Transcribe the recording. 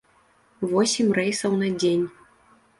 Восем рэйсаў на дзень.